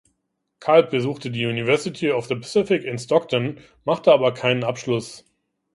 Culp besuchte die University of the Pacific in Stockton, machte aber keinen Abschluss.